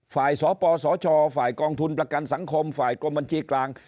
สปสชฝ่ายกองทุนประกันสังคมฝ่ายกรมบัญชีกลาง